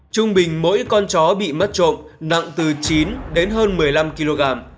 trung bình mỗi con chó bị mất trộm nặng từ chín đến hơn một mươi năm kg